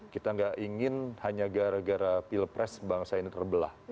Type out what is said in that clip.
kita gak ingin hanya gara gara pilpres bangsa ini terbelah